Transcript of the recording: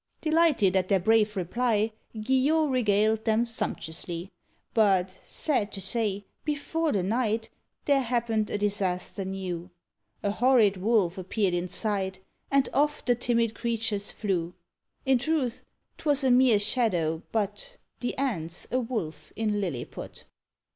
Delighted at their brave reply, Guillot regaled them sumptuously. But, sad to say, before the night, There happened a disaster new. A horrid wolf appeared in sight, And off the timid creatures flew. In truth 'twas a mere shadow, but The ant's a wolf in Lilliput.